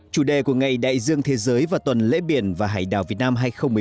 chủ đề của ngày đại dương thế giới và tuần lễ biển và hải đảo việt nam hai nghìn một mươi bốn